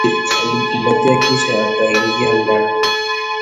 Alimkumbatia kisha akaingia ndani